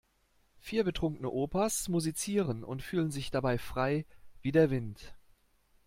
Vier betrunkene Opas musizieren und fühlen sich dabei frei wie der Wind.